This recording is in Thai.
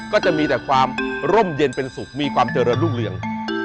ก็จะมีแต่ความร่มเย็นเป็นสุขมีความเจริญรุ่งเรือง